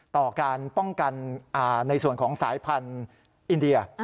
ต่อการป้องกันในส่วนของสายพันธุ์อินเดีย